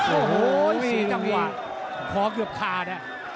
โอ้โหนี่จังหวะคอกหยุบคาด